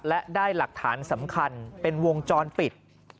และได้หลักฐานสำคัญเป็นวงจรปิด